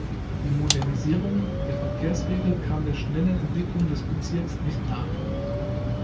Die Modernisierung der Verkehrswege kam der schnellen Entwicklung des Bezirks nicht nach.